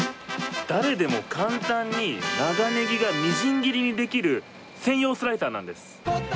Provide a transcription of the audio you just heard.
誰でも簡単に長ネギがみじん切りにできる専用スライサーなんです。